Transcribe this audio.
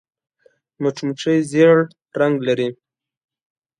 مچمچۍ ژیړ رنګ لري